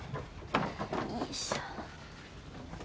よいしょ。